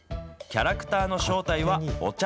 キャラクターの正体は、お茶